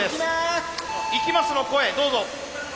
「いきます」の声どうぞ！